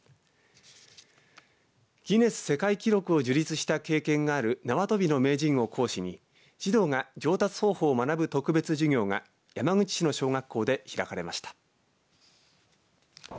ギネス世界記録を樹立した経験がある縄跳びの名人を講師に児童が上達方法を学ぶ特別授業が山口市の小学校で開かれました。